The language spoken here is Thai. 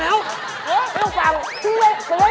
เอามาเลย